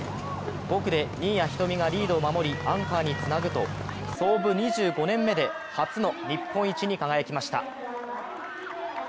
５区で新谷仁美がリードを守りアンカーにつなぐと、創部２５年目で初の日本一に輝きました。